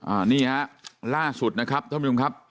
อันนี้ฮะล่าสุดนะครับท่านผู้ชมครับ